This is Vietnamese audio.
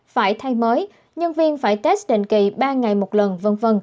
phải thay mới nhân viên phải test định kỳ ba ngày một lần v v